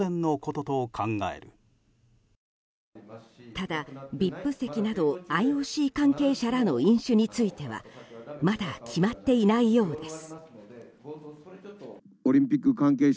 ただ、ＶＩＰ席などＩＯＣ関係者らの飲酒についてはまだ決まっていないようです。